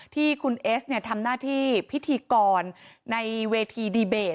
ที่คุณเอสทำหน้าที่พิธีกรในเวทีดีเบต